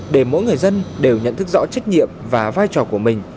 để mỗi người dân đều nhận thức rõ trách nhiệm và vai trò của mình